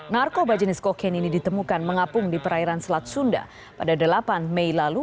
narkoba jenis kokain ini ditemukan mengapung di perairan selat sunda pada delapan mei lalu